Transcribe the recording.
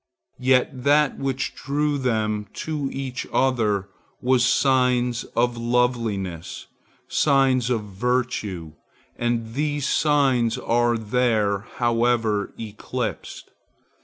Yet that which drew them to each other was signs of loveliness, signs of virtue; and these virtues are there, however eclipsed.